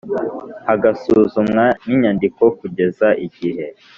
hagasuzumwa n inyandiko kugeza igihe